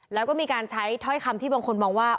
แล้วก็มีการใช้ถ้อยคำที่บางคนมองว่า